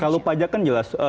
kalau pajak kan jelas